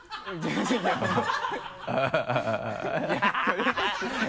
ハハハ